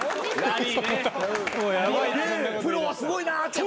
プロはすごいなぁって。